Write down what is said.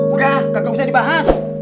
udah kagak bisa dibahas